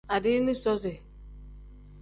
Adiini soozi.